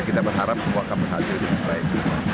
kita berharap semua kapal satu itu baik